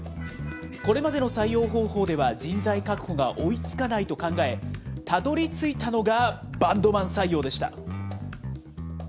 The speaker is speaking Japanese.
これまでの採用方法では人材確保が追いつかないと考え、たどりついたのがバンドマン採用でした。